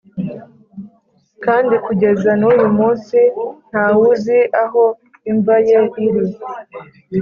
kandi kugeza n’uyu munsi nta wuzi aho imva ye iri.